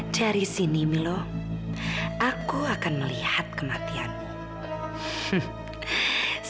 dari sini milo aku akan melihat kematianmu